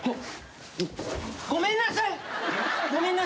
ごめんなさい。